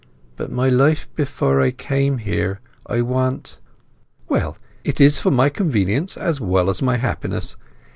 But my life before I came here—I want—" "Well, it is for my convenience as well as my happiness.